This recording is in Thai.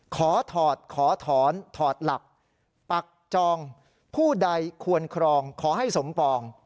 ขอถอดขอถอนถอดหลักปักจองผู้ใดควรครองขอให้สมปอง